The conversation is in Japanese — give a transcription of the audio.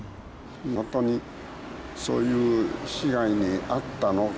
本当にそういう被害に遭ったのか。